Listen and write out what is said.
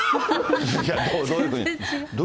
いや、どういうふうに。